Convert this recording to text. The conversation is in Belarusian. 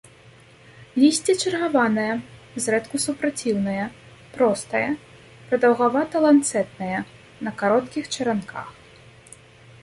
Лісце чаргаванае, зрэдку супраціўнае, простае, прадаўгавата-ланцэтнае, на кароткіх чаранках.